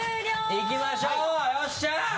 いきましょうよっしゃ！